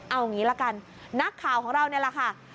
เอางี้ละกันนักข่าวของเรานี่แหละค่ะ